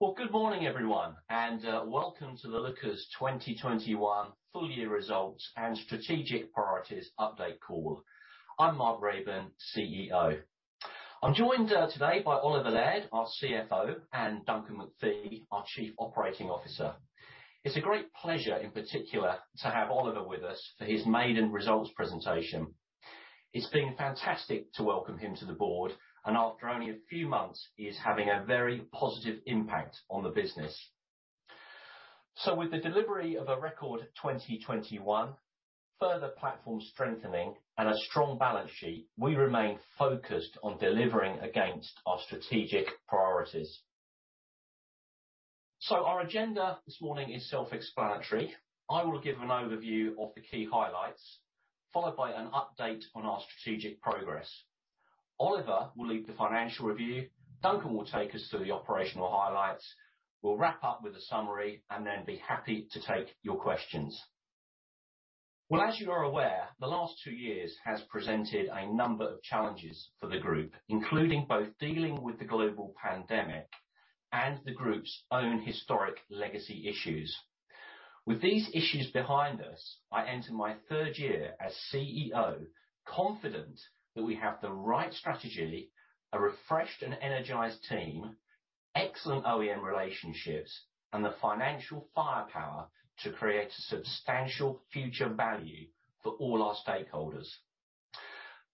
Well, good morning everyone, and welcome to the Lookers 2021 full year results and strategic priorities update call. I'm Mark Raban, CEO. I'm joined today by Oliver Laird, our CFO, and Duncan McPhee, our Chief Operating Officer. It's a great pleasure, in particular, to have Oliver with us for his maiden results presentation. It's been fantastic to welcome him to the board, and after only a few months, he is having a very positive impact on the business. With the delivery of a record 2021, further platform strengthening, and a strong balance sheet, we remain focused on delivering against our strategic priorities. Our agenda this morning is self-explanatory. I will give an overview of the key highlights, followed by an update on our strategic progress. Oliver will lead the financial review. Duncan will take us through the operational highlights. We'll wrap up with a summary and then be happy to take your questions. Well, as you are aware, the last two years has presented a number of challenges for the group, including both dealing with the global pandemic and the group's own historic legacy issues. With these issues behind us, I enter my third year as CEO, confident that we have the right strategy, a refreshed and energized team, excellent OEM relationships, and the financial firepower to create substantial future value for all our stakeholders.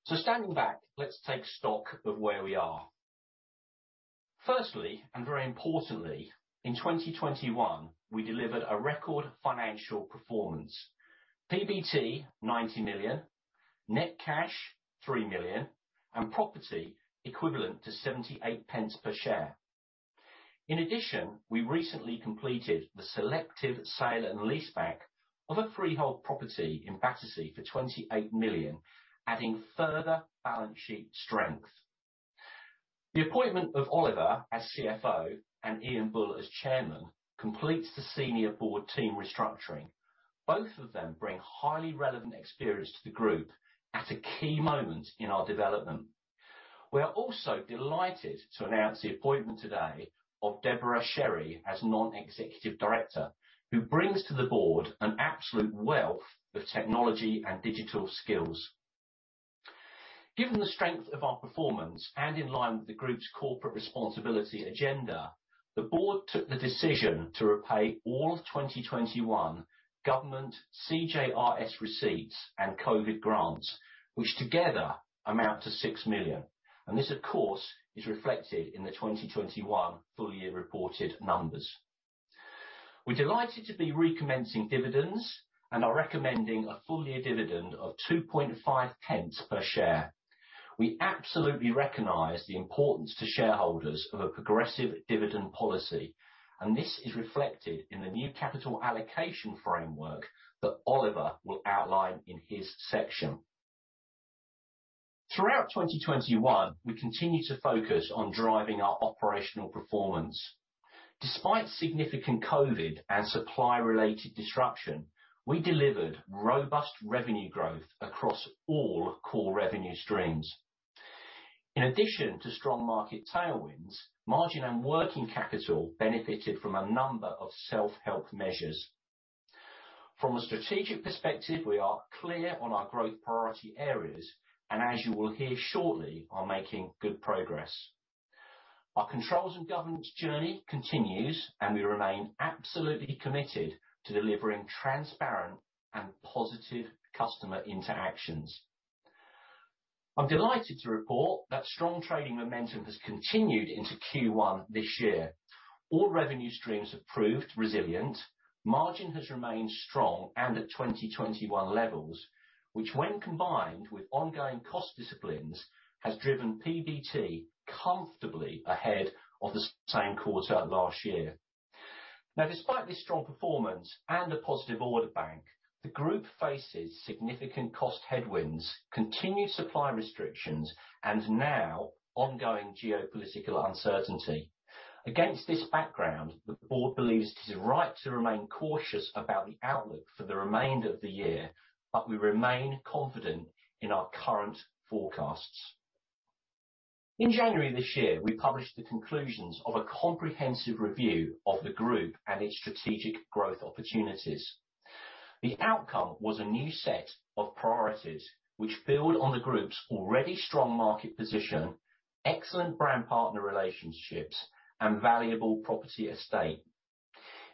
Standing back, let's take stock of where we are. Firstly, and very importantly, in 2021, we delivered a record financial performance. PBT 90 million, net cash 3 million, and property equivalent to 0.78 per share. In addition, we recently completed the selective sale and leaseback of a freehold property in Battersea for 28 million, adding further balance sheet strength. The appointment of Oliver as CFO and Ian Bull as Chairman completes the senior board team restructuring. Both of them bring highly relevant experience to the group at a key moment in our development. We are also delighted to announce the appointment today of Deborah Sherry as Non-Executive Director, who brings to the board an absolute wealth of technology and digital skills. Given the strength of our performance and in line with the group's corporate responsibility agenda, the board took the decision to repay all of 2021 government CJRS receipts and COVID grants, which together amount to 6 million. This, of course, is reflected in the 2021 full year reported numbers. We're delighted to be recommencing dividends and are recommending a full year dividend of 0.025 per share. We absolutely recognize the importance to shareholders of a progressive dividend policy, and this is reflected in the new capital allocation framework that Oliver will outline in his section. Throughout 2021, we continued to focus on driving our operational performance. Despite significant COVID and supply-related disruption, we delivered robust revenue growth across all core revenue streams. In addition to strong market tailwinds, margin and working capital benefited from a number of self-help measures. From a strategic perspective, we are clear on our growth priority areas and as you will hear shortly, are making good progress. Our controls and governance journey continues, and we remain absolutely committed to delivering transparent and positive customer interactions. I'm delighted to report that strong trading momentum has continued into Q1 this year. All revenue streams have proved resilient, margin has remained strong and at 2021 levels, which when combined with ongoing cost disciplines, has driven PBT comfortably ahead of the same quarter last year. Now, despite this strong performance and a positive order bank, the group faces significant cost headwinds, continued supply restrictions, and now ongoing geopolitical uncertainty. Against this background, the board believes it is right to remain cautious about the outlook for the remainder of the year, but we remain confident in our current forecasts. In January this year, we published the conclusions of a comprehensive review of the group and its strategic growth opportunities. The outcome was a new set of priorities which build on the group's already strong market position, excellent brand partner relationships, and valuable property estate.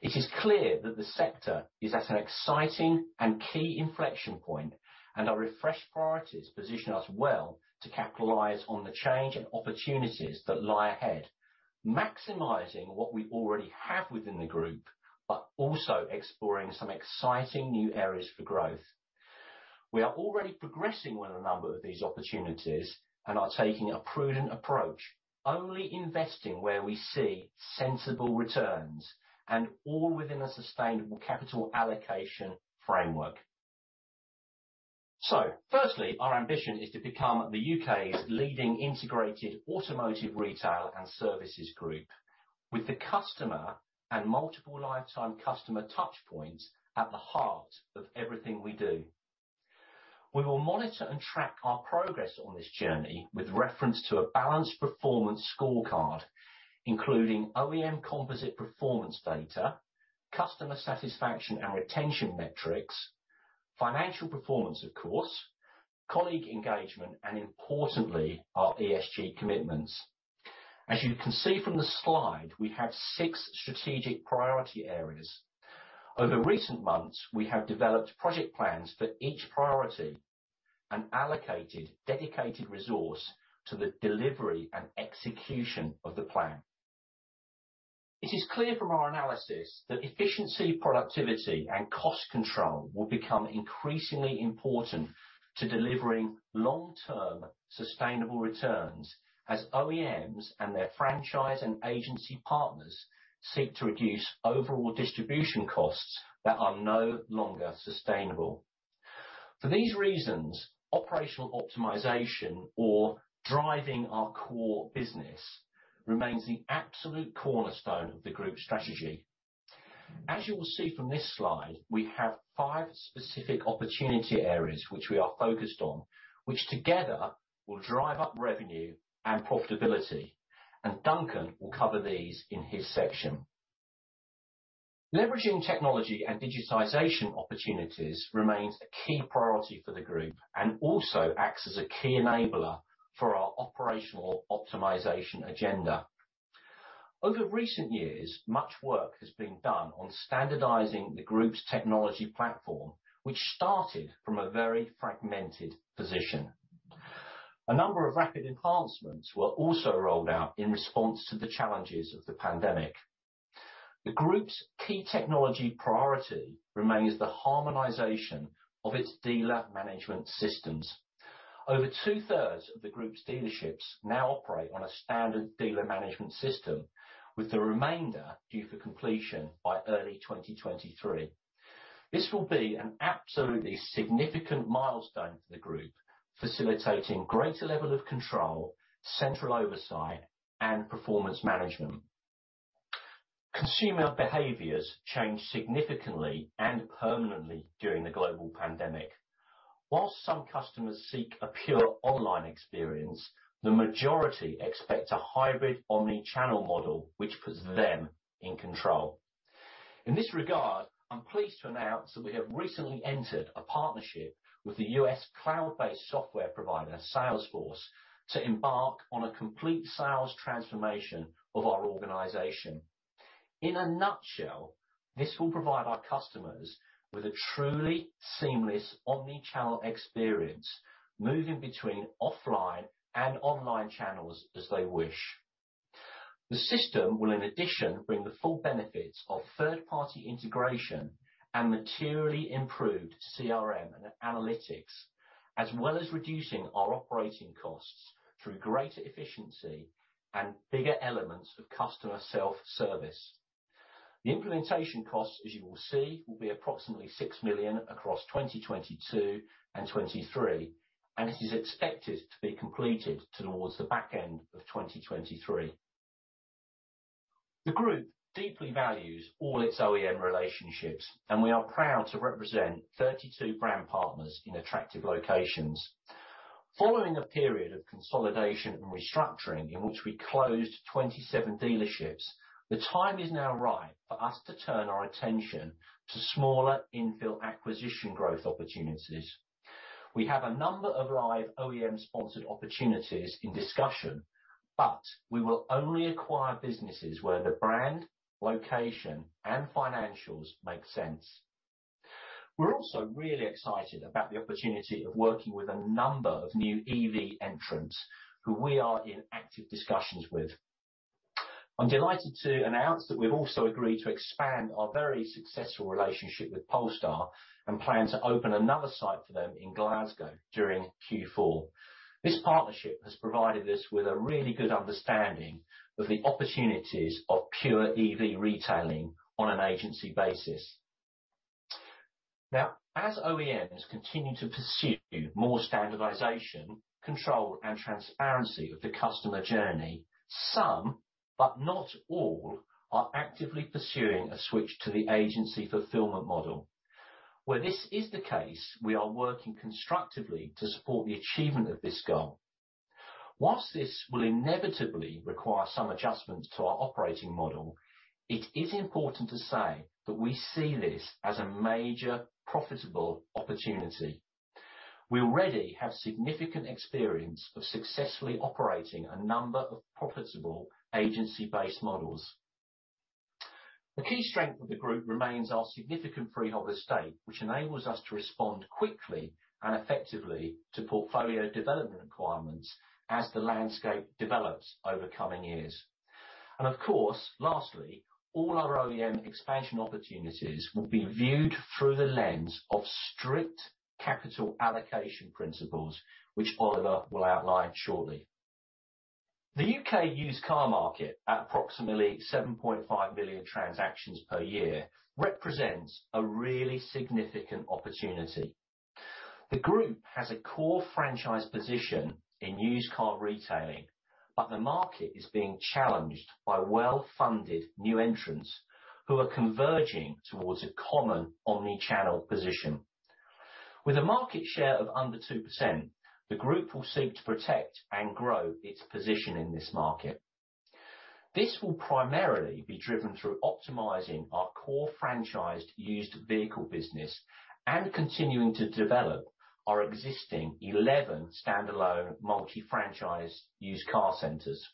It is clear that the sector is at an exciting and key inflection point, and our refreshed priorities position us well to capitalize on the change and opportunities that lie ahead, maximizing what we already have within the group, but also exploring some exciting new areas for growth. We are already progressing with a number of these opportunities and are taking a prudent approach, only investing where we see sensible returns and all within a sustainable capital allocation framework. Firstly, our ambition is to become the U.K.'s leading integrated automotive retail and services group, with the customer and multiple lifetime customer touchpoints at the heart of everything we do. We will monitor and track our progress on this journey with reference to a balanced performance scorecard, including OEM composite performance data, customer satisfaction and retention metrics, financial performance, of course, colleague engagement, and importantly, our ESG commitments. As you can see from the slide, we have six strategic priority areas. Over recent months, we have developed project plans for each priority and allocated dedicated resource to the delivery and execution of the plan. It is clear from our analysis that efficiency, productivity and cost control will become increasingly important to delivering long-term sustainable returns as OEMs and their franchise and agency partners seek to reduce overall distribution costs that are no longer sustainable. For these reasons, operational optimization or driving our core business remains the absolute cornerstone of the group strategy. As you will see from this slide, we have five specific opportunity areas which we are focused on, which together will drive up revenue and profitability, and Duncan will cover these in his section. Leveraging technology and digitization opportunities remains a key priority for the group and also acts as a key enabler for our operational optimization agenda. Over recent years, much work has been done on standardizing the group's technology platform, which started from a very fragmented position. A number of rapid enhancements were also rolled out in response to the challenges of the pandemic. The group's key technology priority remains the harmonization of its dealer management systems. Over two-thirds of the group's dealerships now operate on a standard dealer management system, with the remainder due for completion by early 2023. This will be an absolutely significant milestone for the group, facilitating greater level of control, central oversight and performance management. Consumer behaviors changed significantly and permanently during the global pandemic. While some customers seek a pure online experience, the majority expect a hybrid omni-channel model which puts them in control. In this regard, I'm pleased to announce that we have recently entered a partnership with the U.S. cloud-based software provider, Salesforce, to embark on a complete sales transformation of our organization. In a nutshell, this will provide our customers with a truly seamless omni-channel experience, moving between offline and online channels as they wish. The system will, in addition, bring the full benefits of third-party integration and materially improved CRM and analytics, as well as reducing our operating costs through greater efficiency and bigger elements of customer self-service. The implementation costs, as you will see, will be approximately 6 million across 2022 and 2023, and it is expected to be completed towards the back end of 2023. The group deeply values all its OEM relationships, and we are proud to represent 32 brand partners in attractive locations. Following a period of consolidation and restructuring in which we closed 27 dealerships, the time is now right for us to turn our attention to smaller infill acquisition growth opportunities. We have a number of live OEM-sponsored opportunities in discussion, but we will only acquire businesses where the brand, location and financials make sense. We're also really excited about the opportunity of working with a number of new EV entrants who we are in active discussions with. I'm delighted to announce that we've also agreed to expand our very successful relationship with Polestar and plan to open another site for them in Glasgow during Q4. This partnership has provided us with a really good understanding of the opportunities of pure EV retailing on an agency basis. Now, as OEMs continue to pursue more standardization, control and transparency of the customer journey, some but not all, are actively pursuing a switch to the agency fulfillment model. Where this is the case, we are working constructively to support the achievement of this goal. Whilst this will inevitably require some adjustments to our operating model, it is important to say that we see this as a major profitable opportunity. We already have significant experience of successfully operating a number of profitable agency-based models. The key strength of the group remains our significant freehold estate, which enables us to respond quickly and effectively to portfolio development requirements as the landscape develops over coming years. Of course, lastly, all our OEM expansion opportunities will be viewed through the lens of strict capital allocation principles, which Oliver will outline shortly. The U.K. used car market, at approximately 7.5 million transactions per year, represents a really significant opportunity. The group has a core franchise position in used car retailing. The market is being challenged by well-funded new entrants who are converging towards a common omni-channel position. With a market share of under 2%, the group will seek to protect and grow its position in this market. This will primarily be driven through optimizing our core franchised used vehicle business and continuing to develop our existing 11 standalone multi-franchise used car centers.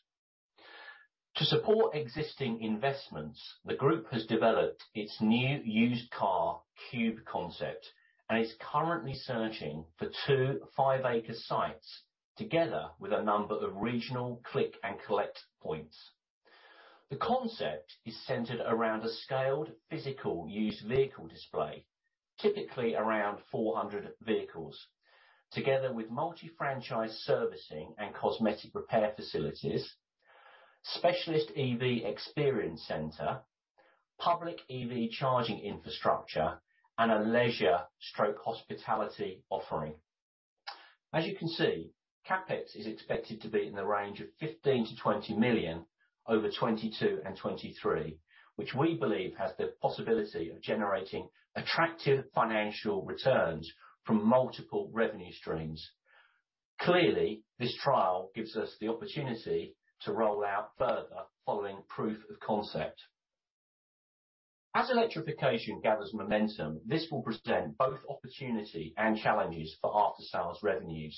To support existing investments, the group has developed its new used car cube concept and is currently searching for two 5-acre sites, together with a number of regional click and collect points. The concept is centered around a scaled physical used vehicle display, typically around 400 vehicles, together with multi-franchise servicing and cosmetic repair facilities, specialist EV experience center, public EV charging infrastructure, and a leisure/hospitality offering. As you can see, CapEx is expected to be in the range of 15 million-20 million over 2022 and 2023, which we believe has the possibility of generating attractive financial returns from multiple revenue streams. Clearly, this trial gives us the opportunity to roll out further following proof of concept. As electrification gathers momentum, this will present both opportunity and challenges for after-sales revenues.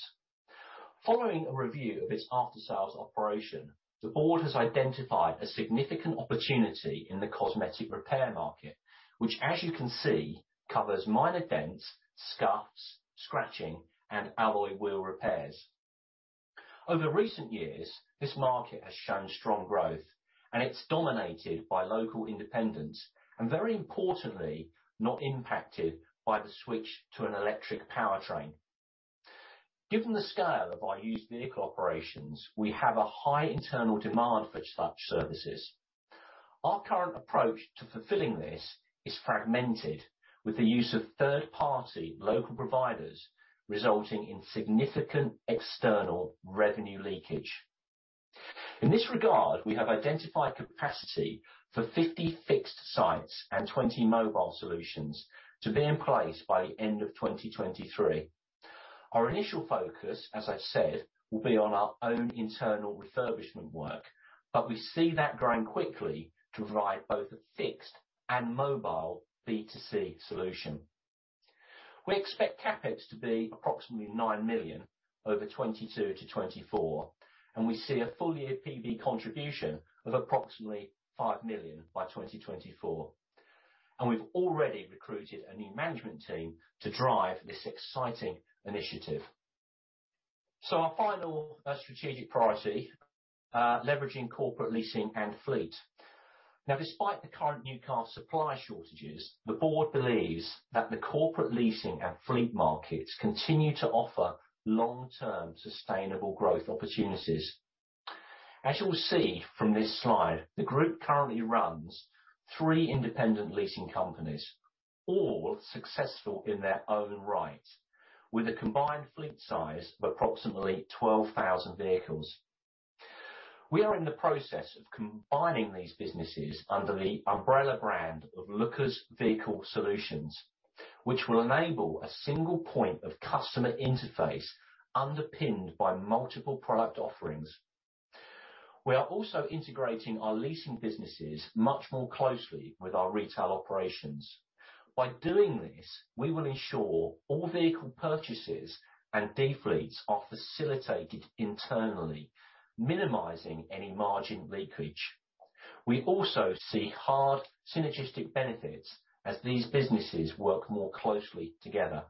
Following a review of its after-sales operation, the board has identified a significant opportunity in the cosmetic repair market, which as you can see, covers minor dents, scuffs, scratching, and alloy wheel repairs. Over recent years, this market has shown strong growth, and it's dominated by local independents, and very importantly, not impacted by the switch to an electric powertrain. Given the scale of our used vehicle operations, we have a high internal demand for such services. Our current approach to fulfilling this is fragmented, with the use of third-party local providers, resulting in significant external revenue leakage. In this regard, we have identified capacity for 50 fixed sites and 20 mobile solutions to be in place by the end of 2023. Our initial focus, as I said, will be on our own internal refurbishment work, but we see that growing quickly to provide both a fixed and mobile B2C solution. We expect CapEx to be approximately 9 million over 2022-2024, and we see a full year PBT contribution of approximately 5 million by 2024. We've already recruited a new management team to drive this exciting initiative. Our final strategic priority, leveraging corporate leasing and fleet. Now, despite the current new car supply shortages, the board believes that the corporate leasing and fleet markets continue to offer long-term sustainable growth opportunities. As you'll see from this slide, the group currently runs three independent leasing companies, all successful in their own right, with a combined fleet size of approximately 12,000 vehicles. We are in the process of combining these businesses under the umbrella brand of Lookers Vehicle Solutions, which will enable a single point of customer interface underpinned by multiple product offerings. We are also integrating our leasing businesses much more closely with our retail operations. By doing this, we will ensure all vehicle purchases and de-fleets are facilitated internally, minimizing any margin leakage. We also see hard synergistic benefits as these businesses work more closely together.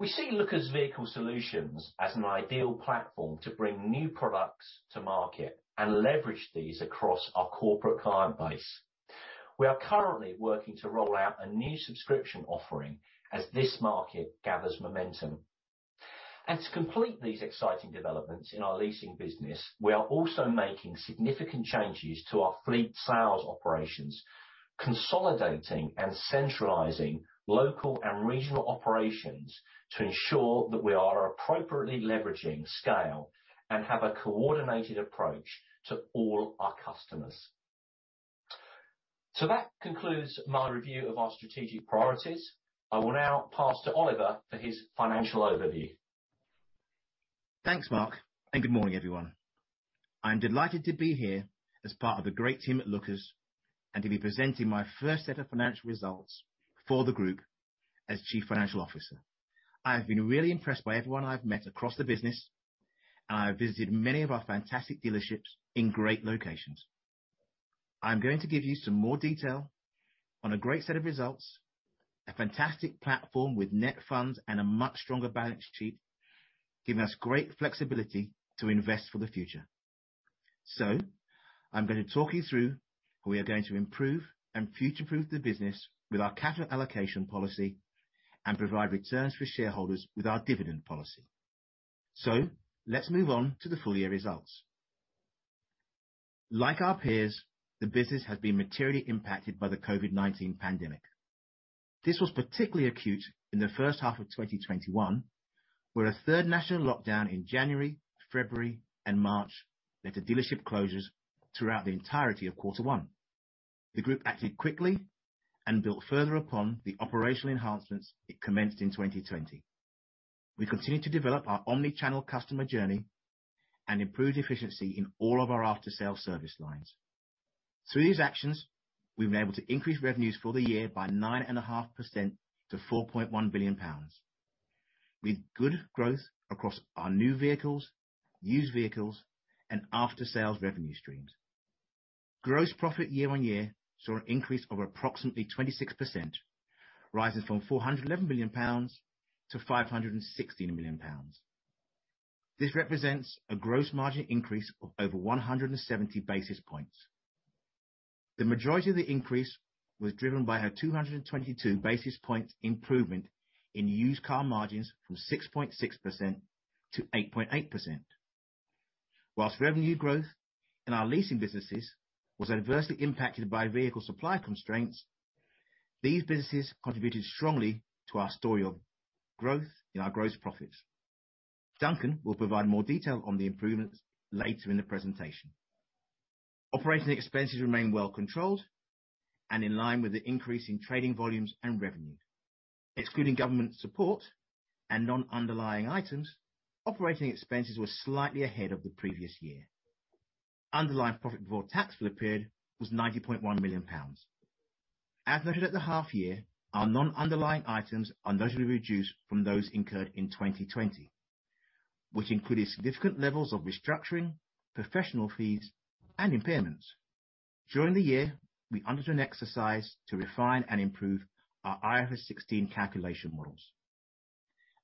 We see Lookers Vehicle Solutions as an ideal platform to bring new products to market and leverage these across our corporate client base. We are currently working to roll out a new subscription offering as this market gathers momentum. To complete these exciting developments in our leasing business, we are also making significant changes to our fleet sales operations, consolidating and centralizing local and regional operations to ensure that we are appropriately leveraging scale and have a coordinated approach to all our customers. That concludes my review of our strategic priorities. I will now pass to Oliver for his financial overview. Thanks, Mark, and good morning, everyone. I'm delighted to be here as part of the great team at Lookers and to be presenting my first set of financial results for the group as Chief Financial Officer. I have been really impressed by everyone I've met across the business, and I have visited many of our fantastic dealerships in great locations. I'm going to give you some more detail on a great set of results, a fantastic platform with net funds and a much stronger balance sheet, giving us great flexibility to invest for the future. I'm gonna talk you through how we are going to improve and future-proof the business with our capital allocation policy and provide returns for shareholders with our dividend policy. Let's move on to the full year results. Like our peers, the business has been materially impacted by the COVID-19 pandemic. This was particularly acute in the first half of 2021, where a third national lockdown in January, February, and March led to dealership closures throughout the entirety of quarter one. The group acted quickly and built further upon the operational enhancements it commenced in 2020. We continued to develop our omni-channel customer journey and improve efficiency in all of our after-sales service lines. Through these actions, we've been able to increase revenues for the year by 9.5% to 4.1 billion pounds, with good growth across our new vehicles, used vehicles, and after-sales revenue streams. Gross profit year on year saw an increase of approximately 26%, rising from 411 million pounds to 516 million pounds. This represents a gross margin increase of over 170 basis points. The majority of the increase was driven by our 222 basis points improvement in used car margins from 6.6% to 8.8%. While revenue growth in our leasing businesses was adversely impacted by vehicle supply constraints, these businesses contributed strongly to our story of growth in our gross profits. Duncan will provide more detail on the improvements later in the presentation. Operating expenses remain well controlled and in line with the increase in trading volumes and revenue. Excluding government support and non-underlying items, operating expenses were slightly ahead of the previous year. Underlying profit before tax for the period was 90.1 million pounds. As noted at the half year, our non-underlying items are notably reduced from those incurred in 2020, which included significant levels of restructuring, professional fees, and impairments. During the year, we undertook an exercise to refine and improve our IFRS 16 calculation models.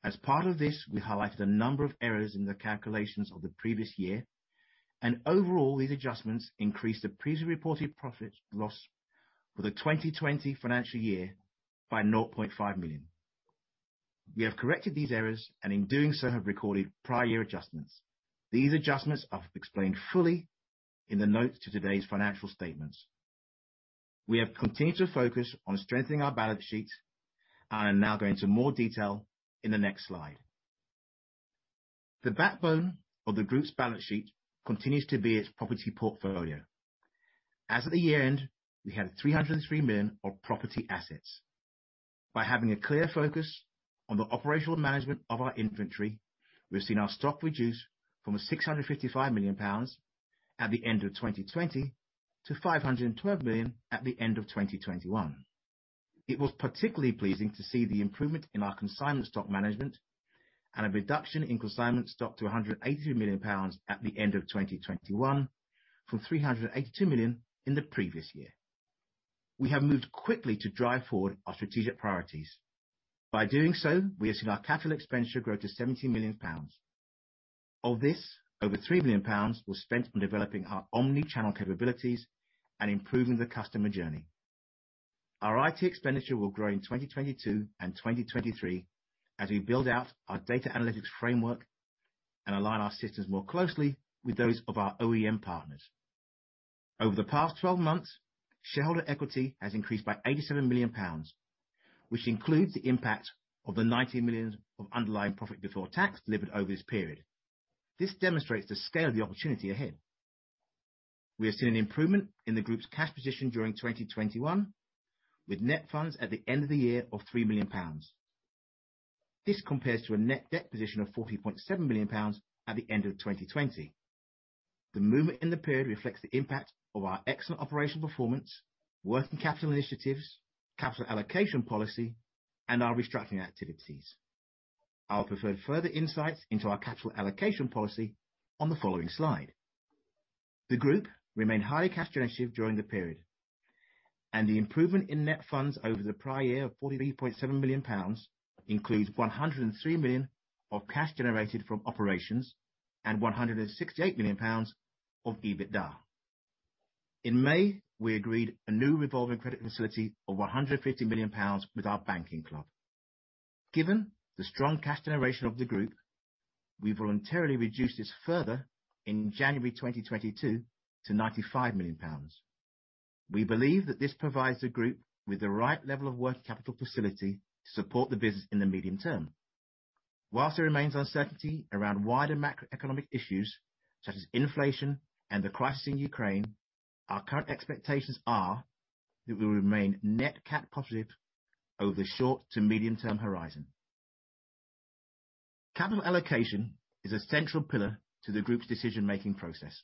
As part of this, we highlighted a number of errors in the calculations of the previous year, and overall, these adjustments increased the previously reported profit loss for the 2020 financial year by 0.5 million. We have corrected these errors, and in doing so, have recorded prior year adjustments. These adjustments are explained fully in the notes to today's financial statements. We have continued to focus on strengthening our balance sheet and I'll now go into more detail in the next slide. The backbone of the group's balance sheet continues to be its property portfolio. As of the year-end, we had 303 million of property assets. By having a clear focus on the operational management of our inventory, we've seen our stock reduce from 655 million pounds at the end of 2020 to 512 million at the end of 2021. It was particularly pleasing to see the improvement in our consignment stock management and a reduction in consignment stock to 182 million pounds at the end of 2021 from 382 million in the previous year. We have moved quickly to drive forward our strategic priorities. By doing so, we have seen our capital expenditure grow to 70 million pounds. Of this, over 3 million pounds was spent on developing our omni-channel capabilities and improving the customer journey. Our IT expenditure will grow in 2022 and 2023 as we build out our data analytics framework and align our systems more closely with those of our OEM partners. Over the past 12 months, shareholder equity has increased by 87 million pounds, which includes the impact of the 90 million of underlying profit before tax delivered over this period. This demonstrates the scale of the opportunity ahead. We have seen an improvement in the group's cash position during 2021 with net funds at the end of the year of 3 million pounds. This compares to a net debt position of 40.7 million pounds at the end of 2020. The movement in the period reflects the impact of our excellent operational performance, working capital initiatives, capital allocation policy, and our restructuring activities. I'll provide further insights into our capital allocation policy on the following slide. The group remained highly cash generative during the period, and the improvement in net funds over the prior year of GBP 43.7 million includes GBP 103 million of cash generated from operations and GBP 168 million of EBITDA. In May, we agreed a new revolving credit facility of 150 million pounds with our banking club. Given the strong cash generation of the group, we voluntarily reduced this further in January 2022 to 95 million pounds. We believe that this provides the group with the right level of working capital facility to support the business in the medium term. While there remains uncertainty around wider macroeconomic issues such as inflation and the crisis in Ukraine, our current expectations are that we will remain net cash positive over the short- to medium-term horizon. Capital allocation is a central pillar to the group's decision-making process.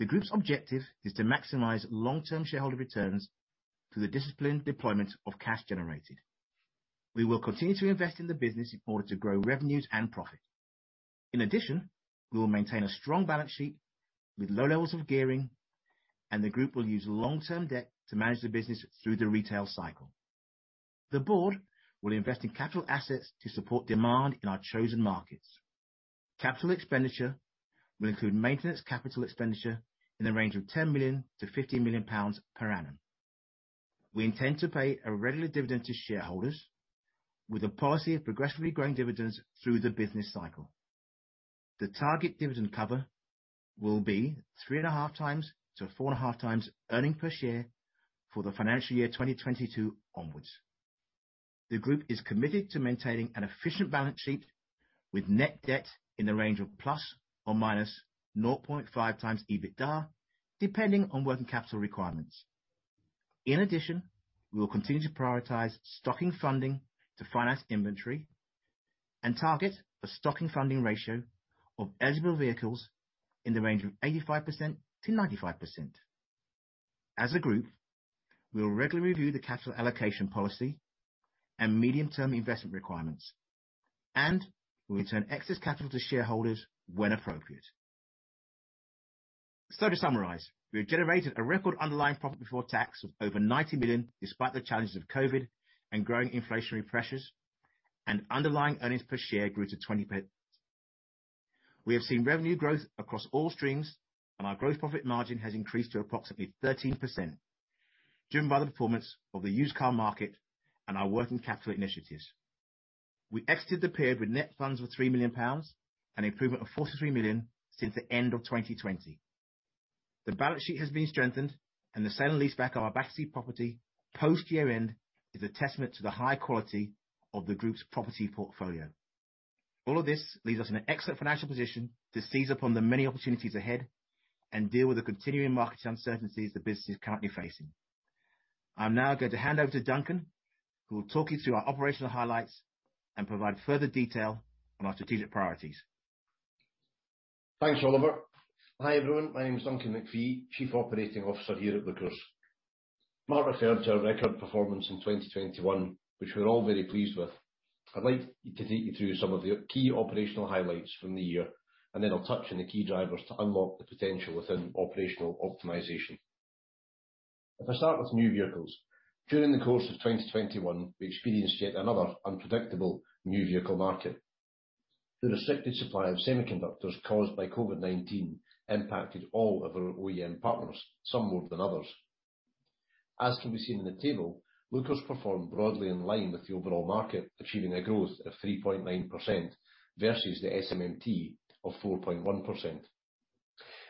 The group's objective is to maximize long-term shareholder returns through the disciplined deployment of cash generated. We will continue to invest in the business in order to grow revenues and profit. In addition, we will maintain a strong balance sheet with low levels of gearing, and the group will use long-term debt to manage the business through the retail cycle. The board will invest in capital assets to support demand in our chosen markets. Capital expenditure will include maintenance capital expenditure in the range of 10 million-50 million pounds per annum. We intend to pay a regular dividend to shareholders with a policy of progressively growing dividends through the business cycle. The target dividend cover will be 3.5x-4.5x earnings per share for the financial year 2022 onwards. The group is committed to maintaining an efficient balance sheet with net debt in the range of ±0.5x EBITDA, depending on working capital requirements. In addition, we will continue to prioritize stocking funding to finance inventory and target a stocking funding ratio of eligible vehicles in the range of 85%-95%. As a group, we will regularly review the capital allocation policy and medium-term investment requirements, and we return excess capital to shareholders when appropriate. To summarize, we have generated a record underlying profit before tax of over 90 million, despite the challenges of COVID and growing inflationary pressures, and underlying earnings per share grew to 0.20. We have seen revenue growth across all streams, and our gross profit margin has increased to approximately 13%, driven by the performance of the used car market and our working capital initiatives. We exited the period with net funds of 3 million pounds, an improvement of 43 million since the end of 2020. The balance sheet has been strengthened and the sale and leaseback of our Battersea property post year-end is a testament to the high quality of the group's property portfolio. All of this leaves us in an excellent financial position to seize upon the many opportunities ahead and deal with the continuing market uncertainties the business is currently facing. I'm now going to hand over to Duncan, who will talk you through our operational highlights and provide further detail on our strategic priorities. Thanks, Oliver. Hi, everyone, my name is Duncan McPhee, Chief Operating Officer here at Lookers. Mark referred to our record performance in 2021, which we're all very pleased with. I'd like to take you through some of the key operational highlights from the year, and then I'll touch on the key drivers to unlock the potential within operational optimization. If I start with new vehicles, during the course of 2021, we experienced yet another unpredictable new vehicle market. The restricted supply of semiconductors caused by COVID-19 impacted all of our OEM partners, some more than others. As can be seen in the table, Lookers performed broadly in line with the overall market, achieving a growth of 3.9% versus the SMMT of 4.1%.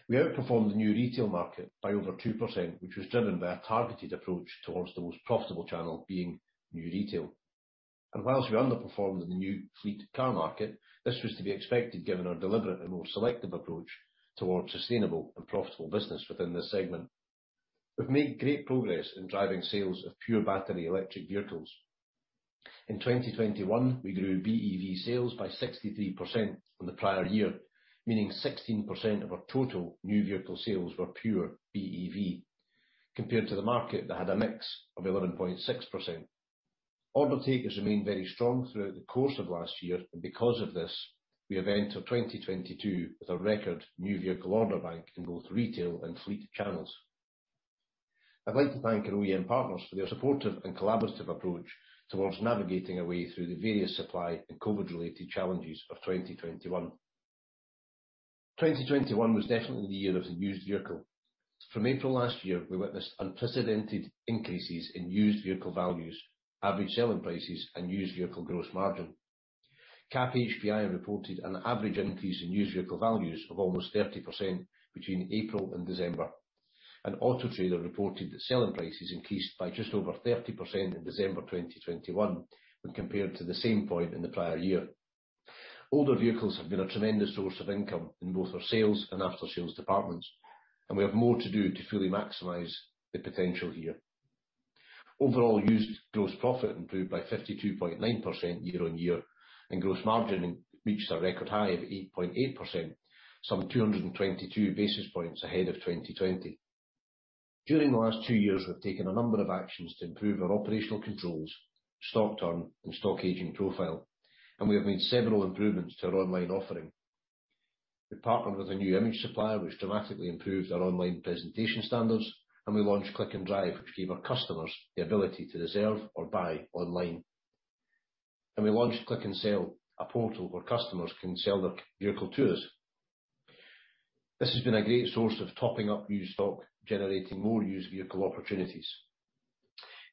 We outperformed the new retail market by over 2%, which was driven by a targeted approach towards the most profitable channel being new retail. While we underperformed in the new fleet car market, this was to be expected, given our deliberate and more selective approach towards sustainable and profitable business within this segment. We've made great progress in driving sales of pure battery electric vehicles. In 2021, we grew BEV sales by 63% from the prior year, meaning 16% of our total new vehicle sales were pure BEV, compared to the market that had a mix of 11.6%. Order takers remained very strong throughout the course of last year, and because of this, we have entered 2022 with a record new vehicle order bank in both retail and fleet channels. I'd like to thank our OEM partners for their supportive and collaborative approach towards navigating a way through the various supply and COVID-related challenges of 2021. 2021 was definitely the year of the used vehicle. From April last year, we witnessed unprecedented increases in used vehicle values, average selling prices, and used vehicle gross margin. cap hpi reported an average increase in used vehicle values of almost 30% between April and December. Autotrader reported that selling prices increased by just over 30% in December 2021 when compared to the same point in the prior year. Older vehicles have been a tremendous source of income in both our sales and aftersales departments, and we have more to do to fully maximize the potential here. Overall, used gross profit improved by 52.9% year-over-year, and gross margin reached a record high of 8.8%, some 222 basis points ahead of 2020. During the last two years, we've taken a number of actions to improve our operational controls, stock turn, and stock aging profile, and we have made several improvements to our online offering. We partnered with a new image supplier which dramatically improved our online presentation standards, and we launched Click & Drive, which gave our customers the ability to reserve or buy online. We launched Click & Sell, a portal where customers can sell their vehicle to us. This has been a great source of topping up used stock, generating more used vehicle opportunities.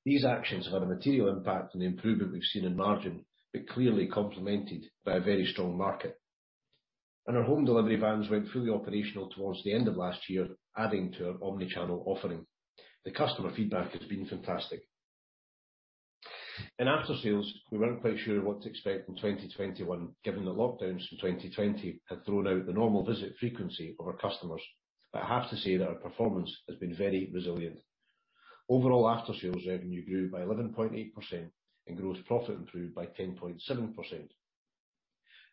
These actions have had a material impact on the improvement we've seen in margin, but clearly complemented by a very strong market. Our home delivery vans went fully operational towards the end of last year, adding to our omni-channel offering. The customer feedback has been fantastic. In aftersales, we weren't quite sure what to expect from 2021, given that lockdowns from 2020 had thrown out the normal visit frequency of our customers. I have to say that our performance has been very resilient. Overall, aftersales revenue grew by 11.8%, and gross profit improved by 10.7%.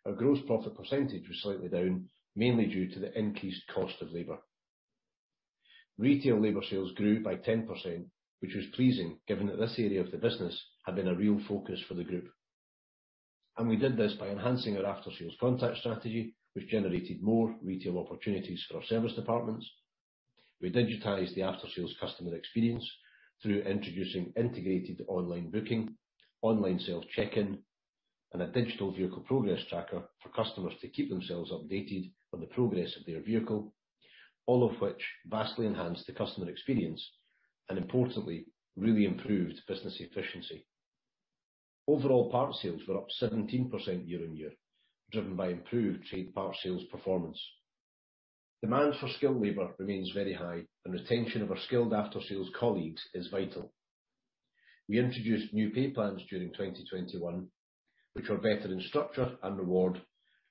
Our gross profit percentage was slightly down, mainly due to the increased cost of labor. Retail labor sales grew by 10%, which was pleasing given that this area of the business had been a real focus for the group. We did this by enhancing our aftersales contact strategy, which generated more retail opportunities for our service departments. We digitized the aftersales customer experience through introducing integrated online booking, online self check-in and a digital vehicle progress tracker for customers to keep themselves updated on the progress of their vehicle, all of which vastly enhanced the customer experience and importantly, really improved business efficiency. Overall part sales were up 17% year-on-year, driven by improved trade parts sales performance. Demand for skilled labor remains very high, and retention of our skilled aftersales colleagues is vital. We introduced new pay plans during 2021, which are better in structure and reward,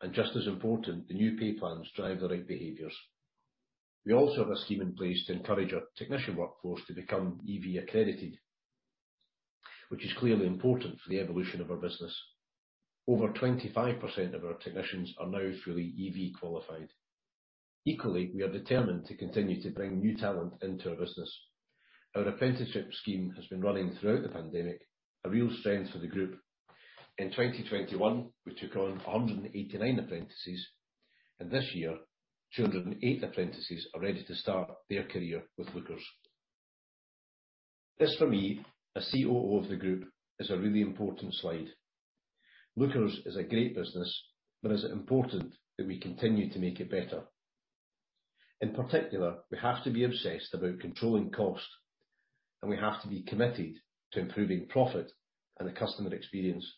and just as important, the new pay plans drive the right behaviors. We also have a scheme in place to encourage our technician workforce to become EV accredited, which is clearly important for the evolution of our business. Over 25% of our technicians are now fully EV qualified. Equally, we are determined to continue to bring new talent into our business. Our apprenticeship scheme has been running throughout the pandemic, a real strength for the group. In 2021, we took on 189 apprentices, and this year, 208 apprentices are ready to start their career with Lookers. This, for me, a COO of the group, is a really important slide. Lookers is a great business, but it is important that we continue to make it better. In particular, we have to be obsessed about controlling cost, and we have to be committed to improving profit and the customer experience.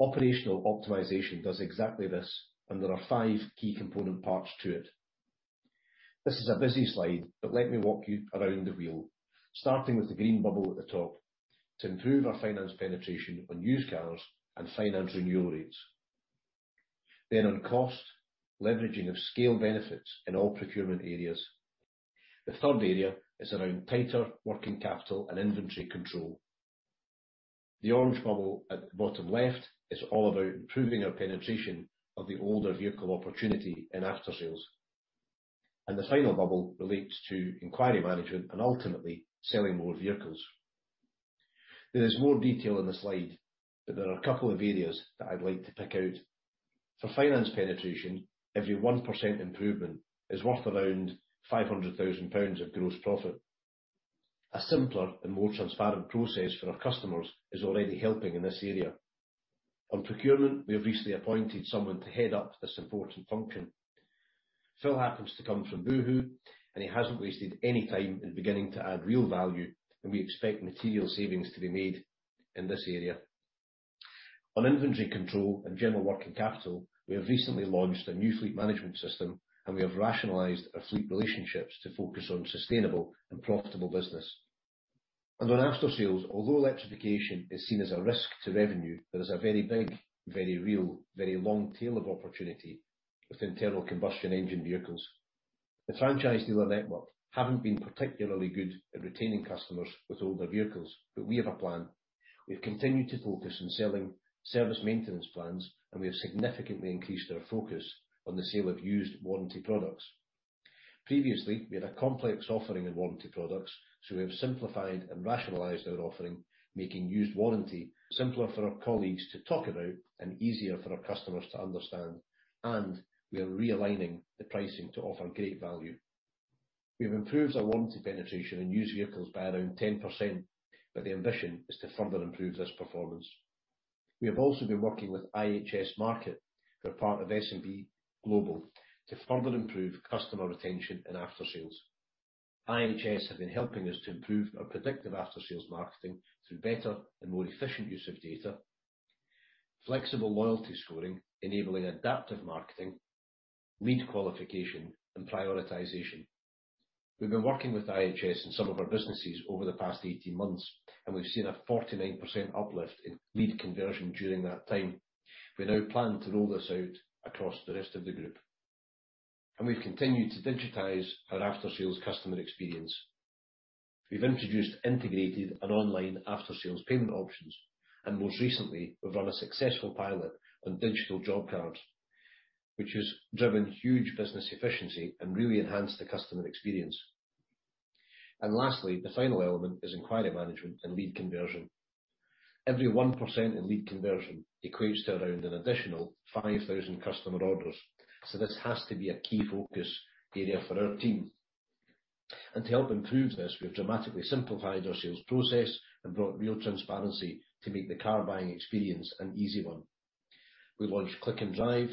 Operational optimization does exactly this, and there are five key component parts to it. This is a busy slide, but let me walk you around the wheel, starting with the green bubble at the top to improve our finance penetration on used cars and finance renewal rates. On cost, leveraging of scale benefits in all procurement areas. The third area is around tighter working capital and inventory control. The orange bubble at the bottom left is all about improving our penetration of the older vehicle opportunity in aftersales. The final bubble relates to inquiry management and ultimately selling more vehicles. There is more detail in the slide, but there are a couple of areas that I'd like to pick out. For finance penetration, every 1% improvement is worth around 500,000 pounds of gross profit. A simpler and more transparent process for our customers is already helping in this area. On procurement, we have recently appointed someone to head up this important function. Phil happens to come from Boohoo, and he hasn't wasted any time in beginning to add real value, and we expect material savings to be made in this area. On inventory control and general working capital, we have recently launched a new fleet management system, and we have rationalized our fleet relationships to focus on sustainable and profitable business. On aftersales, although electrification is seen as a risk to revenue, there is a very big, very real, very long tail of opportunity with internal combustion engine vehicles. The franchise dealer network haven't been particularly good at retaining customers with older vehicles, but we have a plan. We've continued to focus on selling service maintenance plans, and we have significantly increased our focus on the sale of used warranty products. Previously, we had a complex offering of warranty products, so we have simplified and rationalized our offering, making used warranty simpler for our colleagues to talk about and easier for our customers to understand, and we are realigning the pricing to offer great value. We have improved our warranty penetration in used vehicles by around 10%, but the ambition is to further improve this performance. We have also been working with IHS Markit, who are part of S&P Global, to further improve customer retention and aftersales. IHS have been helping us to improve our predictive aftersales marketing through better and more efficient use of data, flexible loyalty scoring, enabling adaptive marketing, lead qualification and prioritization. We've been working with IHS in some of our businesses over the past 18 months, and we've seen a 49% uplift in lead conversion during that time. We now plan to roll this out across the rest of the group. We've continued to digitize our aftersales customer experience. We've introduced integrated and online aftersales payment options, and most recently, we've run a successful pilot on digital job cards, which has driven huge business efficiency and really enhanced the customer experience. Lastly, the final element is inquiry management and lead conversion. Every 1% in lead conversion equates to around an additional 5,000 customer orders, so this has to be a key focus area for our team. To help improve this, we have dramatically simplified our sales process and brought real transparency to make the car buying experience an easy one. We launched Click & Drive,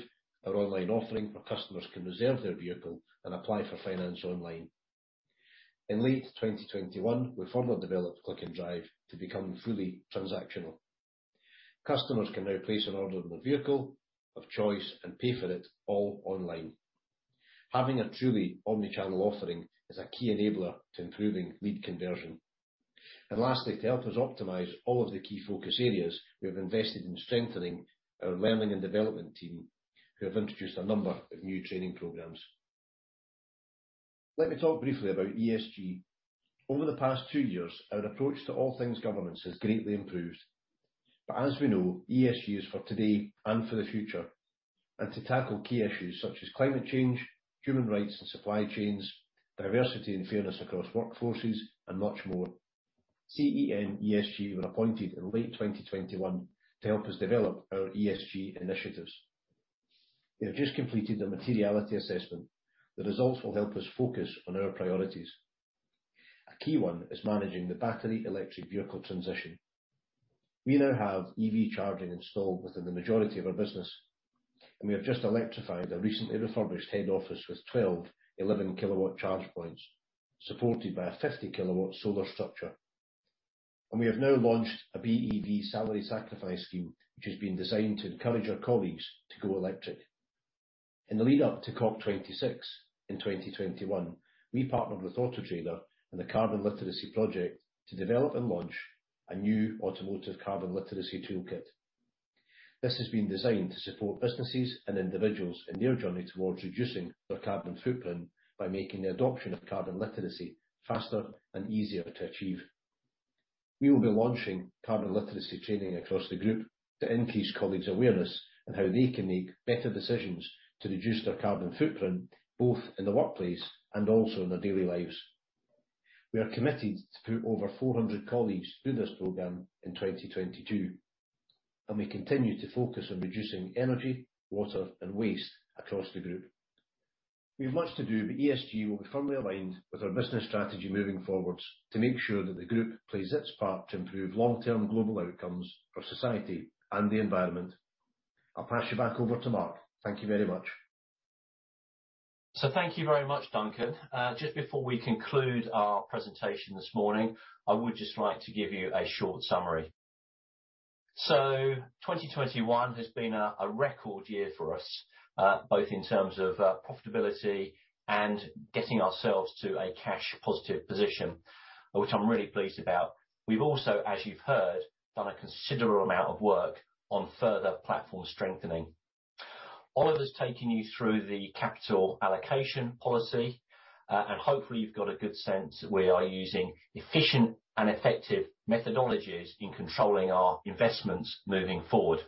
our online offering, where customers can reserve their vehicle and apply for finance online. In late 2021, we further developed Click & Drive to become fully transactional. Customers can now place an order on the vehicle of choice and pay for it all online. Having a truly omni-channel offering is a key enabler to improving lead conversion. Lastly, to help us optimize all of the key focus areas, we have invested in strengthening our learning and development team, who have introduced a number of new training programs. Let me talk briefly about ESG. Over the past two years, our approach to all things governance has greatly improved. As we know, ESG is for today and for the future, and to tackle key issues such as climate change, human rights and supply chains, diversity and fairness across workforces, and much more. CEM POWER CONSULTANCY were appointed in late 2021 to help us develop our ESG initiatives. They have just completed a materiality assessment. The results will help us focus on our priorities. A key one is managing the battery electric vehicle transition. We now have EV charging installed within the majority of our business, and we have just electrified a recently refurbished head office with 12 11-KW charge points, supported by a 50-KW solar structure. We have now launched a BEV salary sacrifice scheme, which has been designed to encourage our colleagues to go electric. In the lead-up to COP26 in 2021, we partnered with Autotrader and the Carbon Literacy Project to develop and launch a new automotive carbon literacy toolkit. This has been designed to support businesses and individuals in their journey towards reducing their carbon footprint by making the adoption of carbon literacy faster and easier to achieve. We will be launching carbon literacy training across the group to increase colleagues' awareness on how they can make better decisions to reduce their carbon footprint, both in the workplace and also in their daily lives. We are committed to put over 400 colleagues through this program in 2022, and we continue to focus on reducing energy, water, and waste across the group. We have much to do, but ESG will be firmly aligned with our business strategy moving forward to make sure that the group plays its part to improve long-term global outcomes for society and the environment. I'll pass you back over to Mark. Thank you very much. Thank you very much, Duncan. Just before we conclude our presentation this morning, I would just like to give you a short summary. 2021 has been a record year for us, both in terms of profitability and getting ourselves to a cash positive position, which I'm really pleased about. We've also, as you've heard, done a considerable amount of work on further platform strengthening. Oliver's taken you through the capital allocation policy, and hopefully you've got a good sense that we are using efficient and effective methodologies in controlling our investments moving forward.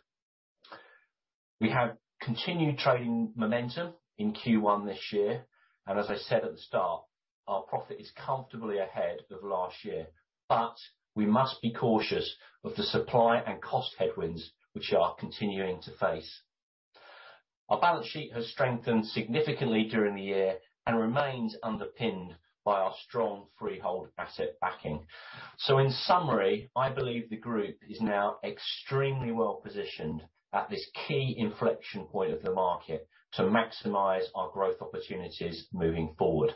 We have continued trading momentum in Q1 this year, and as I said at the start, our profit is comfortably ahead of last year. We must be cautious of the supply and cost headwinds which we are continuing to face. Our balance sheet has strengthened significantly during the year and remains underpinned by our strong freehold asset backing. In summary, I believe the group is now extremely well positioned at this key inflection point of the market to maximize our growth opportunities moving forward.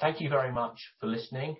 Thank you very much for listening.